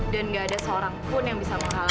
dan gak ada seorang pun yang bisa menghalangi kita lagi